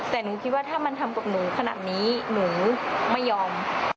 แต่หนูคิดว่าถ้ามันทำกับหนูขนาดนี้หนูไม่ยอม